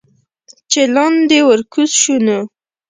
چې لاندې ورکوز شو نو